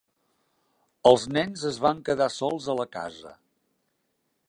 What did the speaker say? Els nens es van quedar sols a la casa.